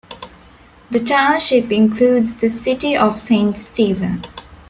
The township includes the City of Saint Stephen.